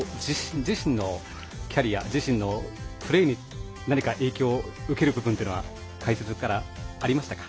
自身のキャリア、自身のプレーに何か影響を受けるということは解説からありましたか？